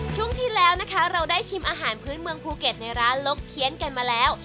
ช่วงที่แล้วนะคะเราได้ชิมอาหารพื้นเมืองภูเก็ตในร้านลกเพี้ยนกันมาแล้ว